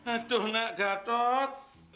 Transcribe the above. aduh nak gatot